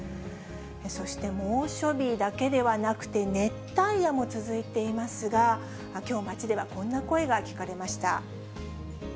そして猛暑日だけではなくて、熱帯夜も続いていますが、きょう、街ではこんな声が聞かれました。